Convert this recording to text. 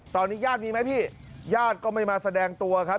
ตอนนี้ญาติมีไหมพี่ญาติก็ไม่มาแสดงตัวครับ